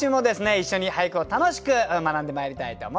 一緒に俳句を楽しく学んでまいりたいと思います。